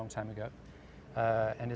dan ini telah dilaksanakan